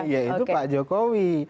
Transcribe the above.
yaitu pak jokowi